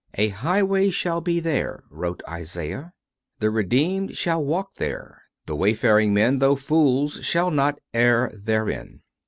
" A highway shall be there," wrote Isaias ;"... the redeemed shall walk there. ... The wayfaring men, though fools, shall not err therein."